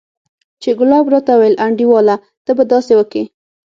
چې ګلاب راته وويل انډيواله ته به داسې وکې.